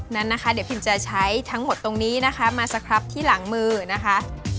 นั้นนะคะเดี๋ยวพิมจะใช้ทั้งหมดตรงนี้นะคะมาสครับที่หลังมือนะคะ